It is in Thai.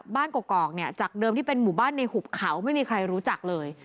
กอกเนี่ยจากเดิมที่เป็นหมู่บ้านในหุบเขาไม่มีใครรู้จักเลย